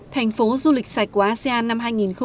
thành phố du lịch sạch của asean năm hai nghìn hai mươi